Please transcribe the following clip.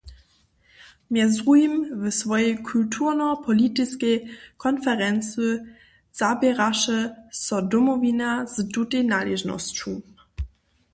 Mjez druhim w swojej kulturno-politiskej konferency zaběraše so Domowina z tutej naležnosću.